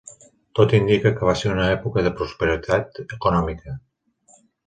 Tot indica que va ser una època de prosperitat econòmica.